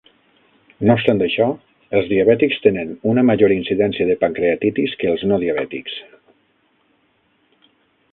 No obstant això, els diabètics tenen una major incidència de pancreatitis que els no diabètics.